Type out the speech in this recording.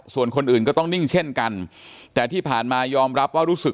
ส่วนคนอื่นก็ต้องนิ่งเช่นกันแต่ที่ผ่านมายอมรับว่ารู้สึก